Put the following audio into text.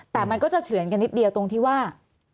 แต่มันก็จะเฉือนกันนิดเดียวตรงที่ว่า